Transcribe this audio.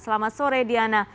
selamat sore diana